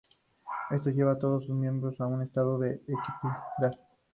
Esto lleva a todos sus miembros a un estado de equidad.